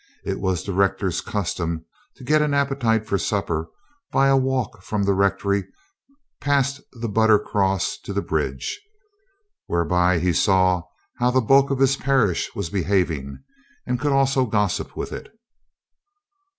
It was the rector's custom to get an appetite for supper by a walk from the rectory past the But ter Cross to the bridge, whereby he saw how the bulk of his parish was behaving and could also gos sip with it.